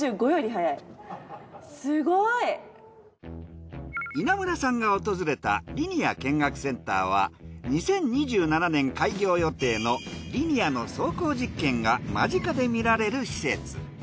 すごい！稲村さんが訪れたリニア見学センターは２０２７年開業予定のリニアの走行実験が間近で見られる施設。